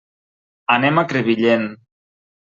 Anem a Crevillent.